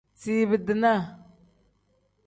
Ziibi-dinaa.